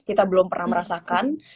kita belum pernah merasakan